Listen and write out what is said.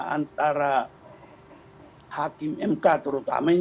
antara hakim mk terutamanya